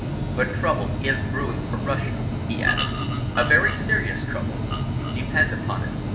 But trouble is brewing for Russia," he added. "A very serious trouble depend upon it."